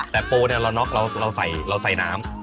แต่ปูเนี่ยเราน็อกเราใส่น้ำ